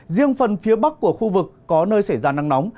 riêng phần phía bắc của khu vực có nơi xảy ra nắng nóng